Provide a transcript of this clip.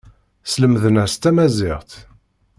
Slemden-as tamaziɣt.